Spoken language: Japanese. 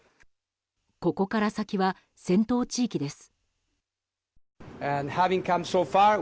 ここから先は戦闘地域です。